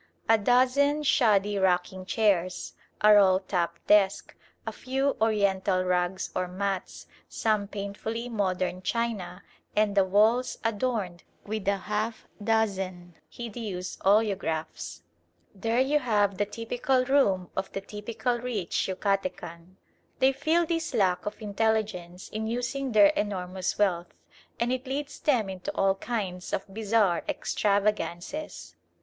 A dozen shoddy rocking chairs, a roll top desk, a few Oriental rugs or mats, some painfully modern china, and the walls adorned (!) with a half dozen hideous oleographs: there you have the typical room of the typical rich Yucatecan. They feel this lack of intelligence in using their enormous wealth, and it leads them into all kinds of bizarre extravagances.